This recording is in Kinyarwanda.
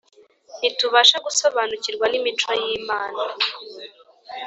Ntitubasha gusobanukirwa n’imico y’Imana